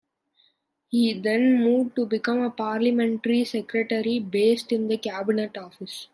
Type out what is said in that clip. He then moved to become a Parliamentary Secretary based in the Cabinet Office.